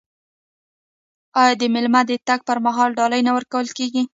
آیا د میلمه د تګ پر مهال ډالۍ نه ورکول کیږي؟